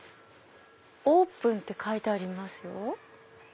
オープンって書いてありますよ。